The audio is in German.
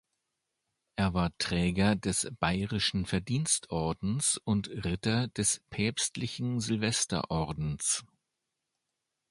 Er war Träger des Bayerischen Verdienstordens und Ritter des päpstlichen Silvesterordens.